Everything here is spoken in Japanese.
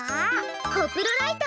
コプロライト！